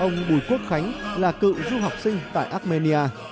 ông bùi quốc khánh là cựu du học sinh tại armenia